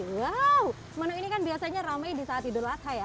wow menu ini kan biasanya ramai di saat idul adha ya